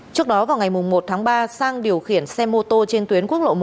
trước đó vào ngày một tháng ba sang điều khiển xe mô tô trên tuyến quốc lộ một